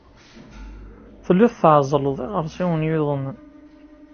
Telliḍ tɛezzleḍ iɣersiwen yuḍnen.